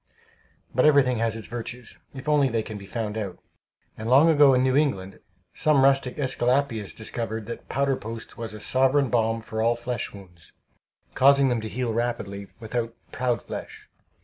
But everything has its virtues, if only they can be found out; and long ago, in New England, some rustic AEsculapius discovered that powder post was a sovereign balm for all flesh wounds, causing them to heal rapidly, without "proud flesh."